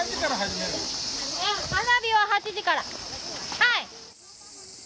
はい。